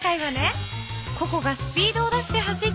ココがスピードを出して走っていると。